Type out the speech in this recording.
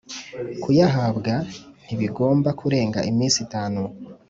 Kuyahabwa ntibigomba kurenga iminsi itanu